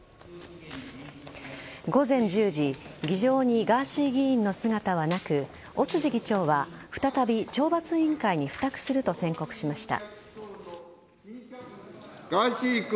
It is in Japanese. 午前１０時議場にガーシー議員の姿はなく尾辻議長は再び懲罰委員会に付託すると宣告しました。